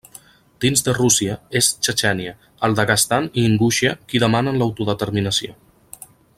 Dins de Rússia, és Txetxènia, el Daguestan i Ingúixia qui demanen l'autodeterminació.